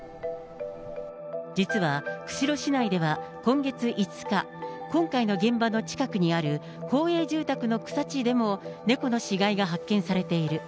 実は釧路市内では今月５日、今回の現場の近くにある公営住宅の草地でも、猫の死骸が発見されている。